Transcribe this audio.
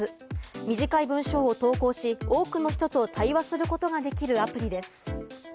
短い文章を投稿し、多くの人と対話することができるアプリです。